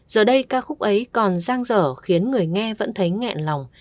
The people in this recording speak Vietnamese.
giờ đây ca khúc ấy còn giang dở khiến người nghe vẫn thấy nghẹn lòng